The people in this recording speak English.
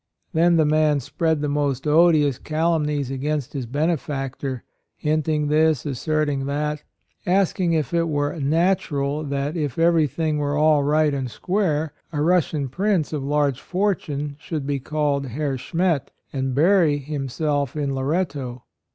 Then the man spread the most odious calumnies against his benefactor, hinting this, asserting that; asking if it were "natural" 100 A ROYAL SON that, if everything were all right and square, a Russian Prince of large fortune should be called "Herr Schmet" and bury himself in Loretto.